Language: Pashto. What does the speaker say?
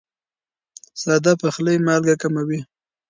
ساده پخلی مالګه کموي.